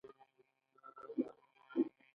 ته کوم کتابونه ولې؟